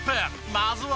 まずは。